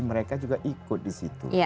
mereka juga ikut disitu